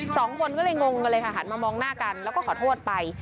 สองคนก็เลยงงกันเลยค่ะหันมามองหน้ากันแล้วก็ขอโทษไป